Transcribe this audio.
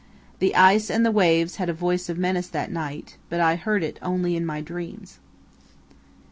The ice and the waves had a voice of menace that night, but I heard it only in my dreams.